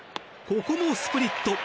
ここもスプリット。